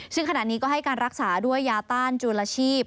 ซึ่งขณะนี้ก็ให้การรักษาด้วยยาต้านจูลชีพ